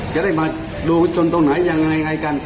จะได้มาดูชนตรงไหนยังไงกัน